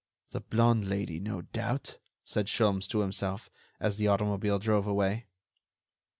"The blonde Lady, no doubt," said Sholmes to himself, as the automobile drove away.